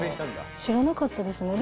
知らなかったです。